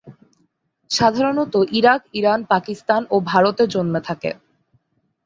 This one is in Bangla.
সাধারণত ইরাক, ইরান, পাকিস্তান ও ভারতে জন্মে থাকে।